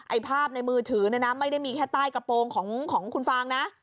ภาพในมือถือเนี่ยนะไม่ได้มีแค่ใต้กระโปรงของคุณฟางนะ